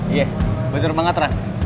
iya bener banget rah